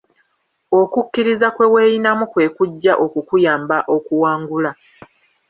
Okukkiriza kweweyinamu kwe kujja okukuyamba okuwangula.